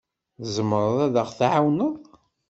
Tzemreḍ ad aɣ-tɛawneḍ?